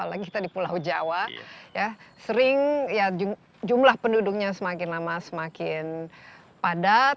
apalagi kita di pulau jawa ya sering jumlah penduduknya semakin lama semakin padat